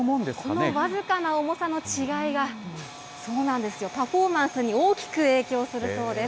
この僅かな重さの違いが、そうなんですよ、パフォーマンスに大きく影響するそうです。